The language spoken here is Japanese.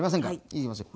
いきますよ。